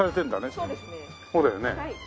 そうだよね。